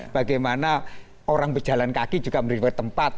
bagaimana orang berjalan kaki juga berdiri ber tempat